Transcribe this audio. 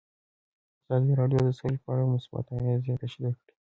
ازادي راډیو د سوله په اړه مثبت اغېزې تشریح کړي.